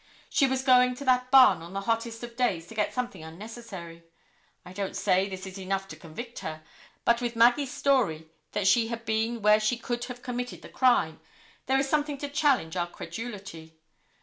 She was going to that barn on the hottest of days to get something unnecessary. I don't say this is enough to convict her, but with Maggie's story that she had been where she could have committed the crime, there is something to challenge our credulity.